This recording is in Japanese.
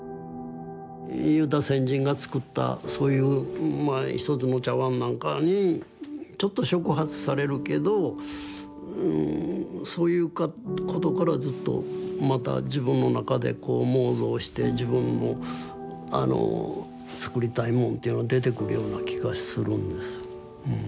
先人が作ったそういうまあ一つの茶碗なんかにちょっと触発されるけどそういうことからずっとまた自分の中でこう妄想して自分の作りたいもんっていうのは出てくるような気がするんです。